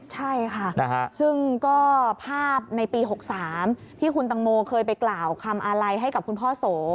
ใช่ค่ะซึ่งก็ภาพในปี๖๓ที่คุณตังโมเคยไปกล่าวคำอาลัยให้กับคุณพ่อโส